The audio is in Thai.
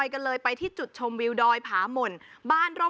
แก้ปัญหาผมร่วงล้านบาท